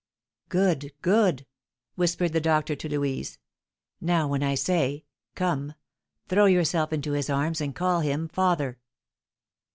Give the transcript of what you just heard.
"Good, good!" whispered the doctor to Louise; "now, when I say 'Come,' throw yourself into his arms and call him 'father!'"